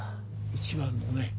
一番のね